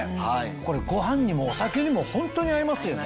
これご飯にもお酒にもホントに合いますよね。